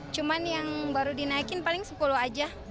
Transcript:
tiga puluh lima cuman yang baru dinaikin paling sepuluh aja